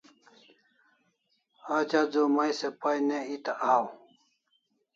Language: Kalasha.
Aj adua mai se pay ne eta asaw